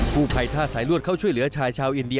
ผู้ภัยท่าสายลวดเข้าช่วยเหลือชายชาวอินเดีย